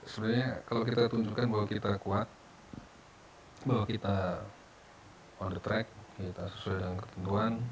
sebenarnya kalau kita tunjukkan bahwa kita kuat bahwa kita on the track kita sesuai dengan ketentuan